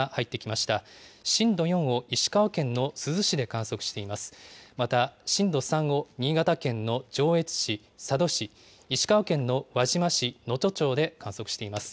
また、震度３を新潟県の上越市、佐渡市、石川県の輪島市能登町で観測しています。